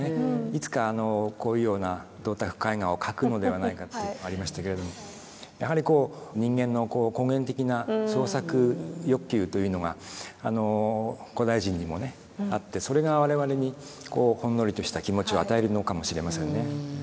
いつかこういうような銅鐸絵画を描くのではないかっていうのありましたけれどもやはりこう人間の根源的な創作欲求というのが古代人にもねあってそれが我々にほんのりとした気持ちを与えるのかもしれませんね。